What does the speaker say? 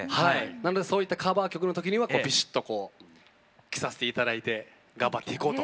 なのでそういったカバー曲の時にはビシッとこう着させて頂いて頑張っていこうと。